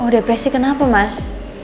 oh depresi kenapa mas